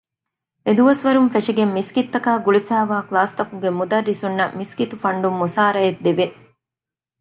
އެދުވަސްވަރުން ފެށިގެން މިސްކިތްތަކާ ގުޅިފައިވާ ކްލާސްތަކުގެ މުދައްރިސުންނަށް މިސްކިތު ފަންޑުން މުސާރައެއް ދެވެ